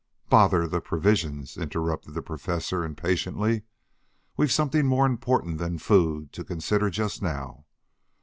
"Bother the provisions," interrupted the Professor, impatiently. "We've something more important than food to consider just now.